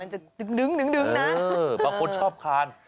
มันจะดึงนะเป็นคนชอบการ